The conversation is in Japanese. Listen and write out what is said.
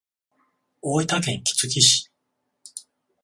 大分県杵築市